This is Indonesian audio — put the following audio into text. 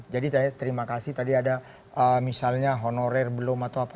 jadi saya terima kasih tadi ada misalnya honorer belum atau apa